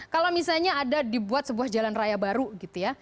kalau misalnya ada dibuat sebuah jalan raya baru gitu ya